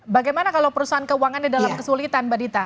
bagaimana kalau perusahaan keuangannya dalam kesulitan mbak dita